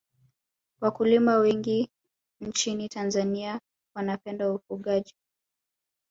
Wakulima wengi nchini tanzania wanapenda ufugaji